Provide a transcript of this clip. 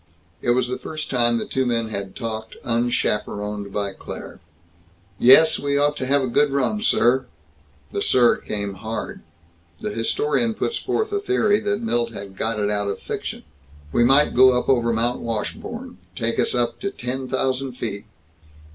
It was the first time the two men had talked unchaperoned by Claire. "Yes. We ought to have a good run, sir." The "sir" came hard. The historian puts forth a theory that Milt had got it out of fiction. "We might go up over Mount Washburn. Take us up to ten thousand feet."